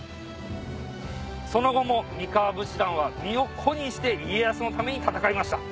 その後も三河武士団は身を粉にして家康のために戦いました。